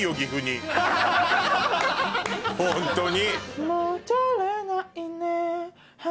ホントに！